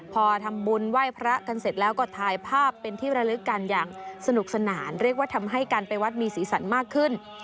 พอทำบุญไหว้พระกันเสร็จแล้วก็ถ่ายภาพเป็นที่ระลึกกันอย่างสนุกสนานเรียกว่าทำให้การไปวัดมีสีสันมากขึ้น